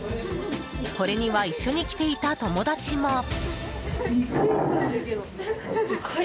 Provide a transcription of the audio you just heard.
これには一緒に来ていた友達も。